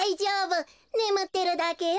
ねむってるだけよべ。